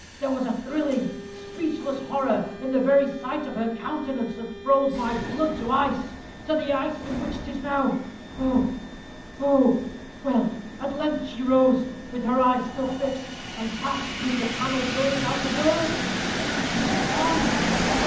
There was a thrilling, speechless horror in the very sight of her countenance that froze my old blood to ice to the ice in which 'tis now ough! ough! Well, at length she arose, with her eyes still fixed, and passed through the paneled door without a word. She is gone!"